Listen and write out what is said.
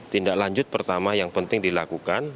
tindak lanjut pertama yang penting dilakukan